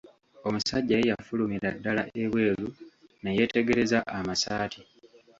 Omusajja ye yafulumira ddala ebweru ne yeetegereza amasaati.